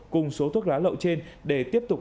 cùng số thuốc lá lậu trên để tiếp tục